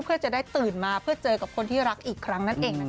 เพื่อจะได้ตื่นมาเพื่อเจอกับคนที่รักอีกครั้งนั่นเองนะคะ